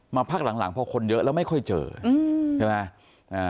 พักหลังหลังพอคนเยอะแล้วไม่ค่อยเจอใช่ไหม